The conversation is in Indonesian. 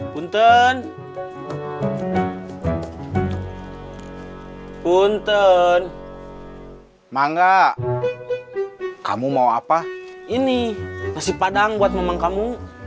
punten punten mangga kamu mau apa ini nasi padang buat memang kamu